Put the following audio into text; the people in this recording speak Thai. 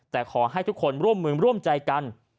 แต่ขอให้ทุกคนร่วมมือร่วมใจกัน